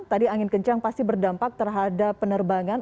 tadi angin kencang pasti berdampak terhadap penerbangan